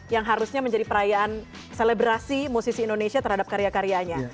yang harusnya menjadi perayaan selebrasi musisi indonesia terhadap karya karyanya